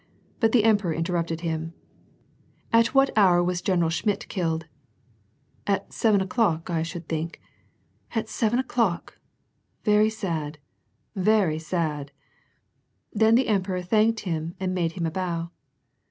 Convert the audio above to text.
But the emperor interrupted him: "At what hour was General Schmidt killed ?" "At seven o'clock, I should think." "At seven o^clock ! Very sad 1 very sad !" Then the emperor thanked him and made him a bow.